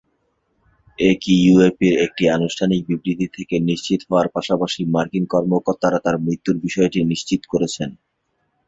একিউএপি-র একটি আনুষ্ঠানিক বিবৃতি থেকে নিশ্চিত হওয়ার পাশাপাশি মার্কিন কর্মকর্তারা তাঁর মৃত্যুর বিষয়টি নিশ্চিত করেছেন।